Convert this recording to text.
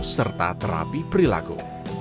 serta terapi perilaku